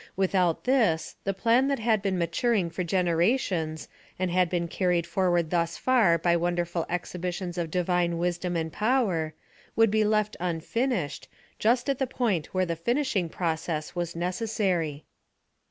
With out this, the plan that had been maturing for gene rations, and had been carried forward thus far by wonderful exhibitions of Divine wisdom and power, would be left unfinished, just at the point where the finishing process was necessary.